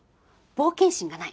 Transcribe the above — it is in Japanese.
冒険心がない。